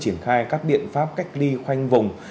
triển khai các biện pháp cách ly khoanh vùng